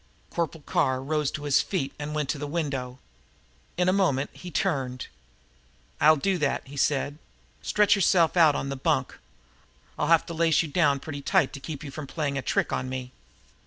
Corporal Carr rose to his feet and went to the window. In a moment he turned. "I'll do that," he said. "Stretch yourself out on the bunk. I'll have to lace you down pretty tight to keep you from playing a trick on me."